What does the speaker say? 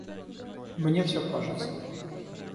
Мне все кажется.